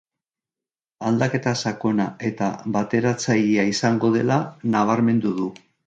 Aldaketa sakona eta bateratzailea izango dela nabarmendu du.